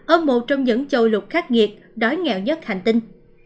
ở một trong những châu lục khắc nghiệt đói nghèo nhất hành tinh